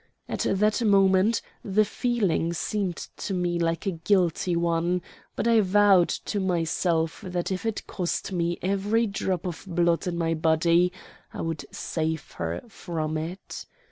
At that moment the feeling seemed to me like a guilty one, but I vowed to myself that if it cost me every drop of blood in my body I would save her from it.